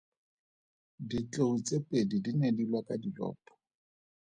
Ditlou tse pedi di ne di lwa ka dilopo.